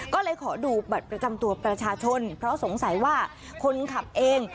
ก็เลยขอดูบัตรประจำตัวประชาชนเพราะสงสัยว่าคนขับเอง